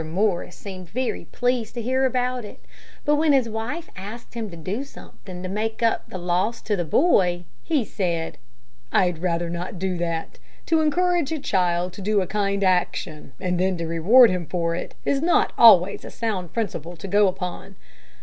Morris seemed very pleased to hear about it, but when his wife asked him to do something to make up the loss to the boy, he said: "I had rather not do that. To encourage a child to do a kind action, and then to reward him for it, is not always a sound principle to go upon."